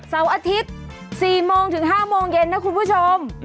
เสาร์อาทิตย์๔โมงถึง๕โมงเย็นนะคุณผู้ชม